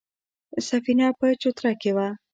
سفينه په چوتره کې وه.